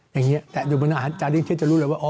อย่างนี้แตะดูอาจารย์เรื่องเช็ดจะรู้เลยว่า